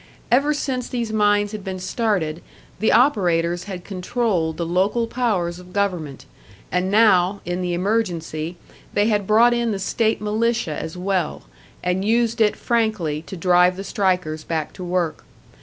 Ever since these mines had been started, the operators had controlled the local powers of government, and now, in the emergency, they had brought in the state militia as well, and used it frankly to drive the strikers back to work.